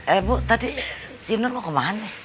eh bu tadi si nur mau kemana